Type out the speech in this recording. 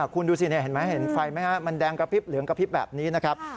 คุณดูสิเห็นไหมเห็นไฟไหมฮะมันแดงกระพริบเหลืองกระพริบแบบนี้นะครับ